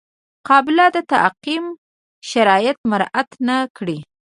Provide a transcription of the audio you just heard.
قابله د تعقیم شرایط مراعات نه کړي.